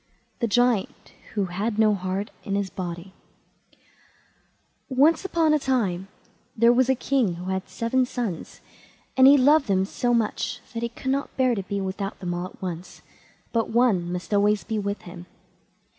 THE GIANT WHO HAD NO HEART IN HIS BODY Once on a time there was a king who had seven sons, and he loved them so much that he could never bear to be without them all at once, but one must always be with him.